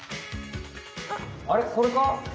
あれこれか？